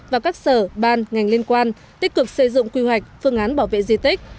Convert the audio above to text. và các sở ban ngành liên quan tích cực xây dựng quy hoạch phương án bảo vệ di tích